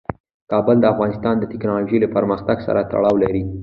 کابل د افغانستان د تکنالوژۍ له پرمختګ سره تړاو لري.